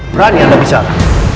berani anda bicara